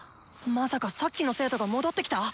まさかさっきの生徒が戻ってきた？